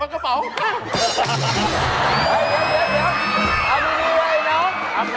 เอามือดีไว้ไอ้น้อง